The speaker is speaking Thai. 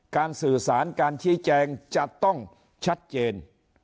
สื่อสารการชี้แจงจะต้องชัดเจน